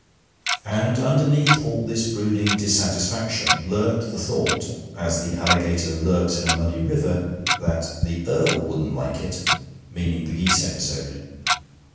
And underneath all this brooding dissatisfaction lurked the thought, as the alligator lurks in a muddy river, that 'the Earl wouldn't like it' meaning the geese episode.